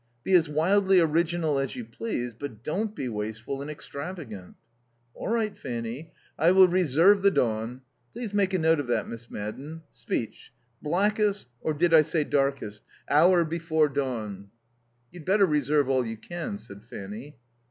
Be as wildly original as you please, but don't be wasteful and extravagant." "All right, Fanny. I will reserve the dawn. Please make a note of that, Miss Madden. Speech. 'Blackest' or did I say 'darkest'? 'hour before dawn.'" "You'd better reserve all you can," said Fanny.